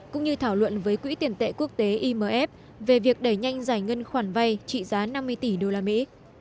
cũng như thảo luận với quỹ tiền tệ quốc tế imf về việc đẩy nhanh giải ngân khoản vay trị giá năm mươi tỷ đô la mỹ